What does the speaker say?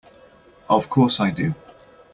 Of course I do!